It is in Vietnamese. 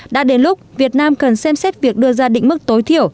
đã đến lúc việt nam cần xem xét việc đưa ra định mức tối thiểu